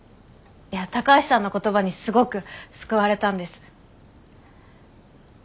いや高橋さんの言葉にすごく救われたんです。